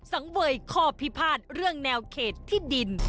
สังเวยข้อพิพาทเรื่องแนวเขตที่ดิน